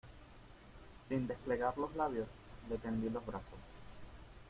sin desplegar los labios le tendí los brazos.